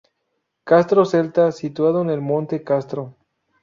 Castro celta situado en el monte Castro.